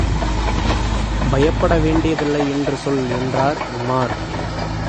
பயப்பட வேண்டியதில்லை என்று சொல் என்றார் உமார்.